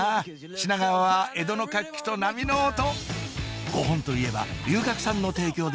品川は江戸の活気と波の音！